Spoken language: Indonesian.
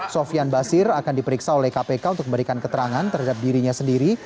sofian basir akan diperiksa oleh kpk untuk memberikan keterangan terhadap dirinya sendiri